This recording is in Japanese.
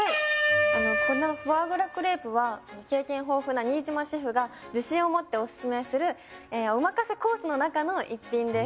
このフォアグラクレープは経験豊富な新島シェフが自信を持ってオススメするおまかせコースの中の一品です。